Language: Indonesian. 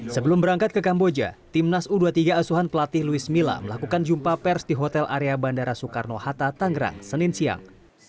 sebelum berangkat ke kamboja timnas u dua puluh tiga asuhan pelatih luis mila melakukan jumpa pers di hotel area bandara soekarno hatta tanggerang senin siang